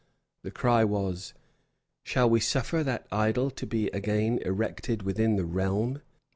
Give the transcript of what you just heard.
The cry was, "Shall we suffer that idol to be again erected within the realm?"